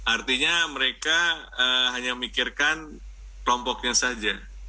artinya mereka hanya mikirkan kelompoknya saja